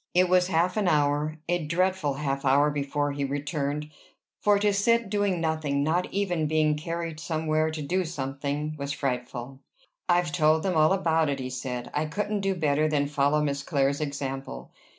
It was half an hour, a dreadful half hour, before he returned; for to sit doing nothing, not even being carried somewhere to do something, was frightful. "I've told them all about it," he said. "I couldn't do better than follow Miss Clare's example.